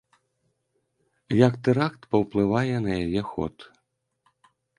Як тэракт паўплывае на яе ход?